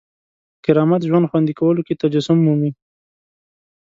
کرامت ژوند خوندي کولو کې تجسم مومي.